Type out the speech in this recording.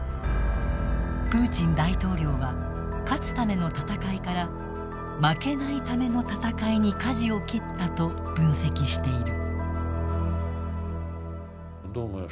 プーチン大統領は勝つための戦いから負けないための戦いにかじを切ったと分析している。